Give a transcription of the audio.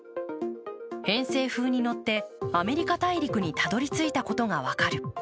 偏西風に乗って、アメリカ大陸にたどりついたことが分かる。